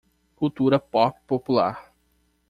Cultura pop popular